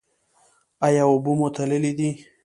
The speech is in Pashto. ایا اوبه مو تللې دي؟